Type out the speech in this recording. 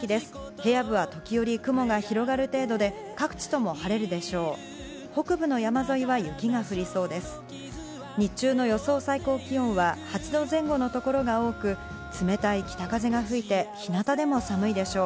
平野部は時折、雲が広がる程度で、各地とも晴れるでしょう。